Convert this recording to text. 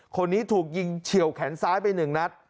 คนนี้ถูกยิงเฉียวแขนซ้ายไป๑นัด